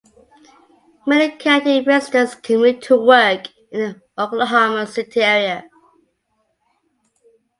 Many county residents commute to work in the Oklahoma City area.